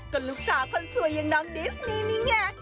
ก็ลูกสาวคนสวยอย่างน้องดิสนี่นี่ไง